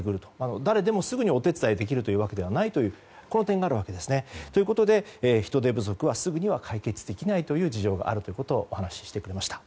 誰でもすぐに、お手伝いできるわけではないというこの点があるわけですね。ということで人手不足はすぐに解消できないという事情があるということをお話ししてくれました。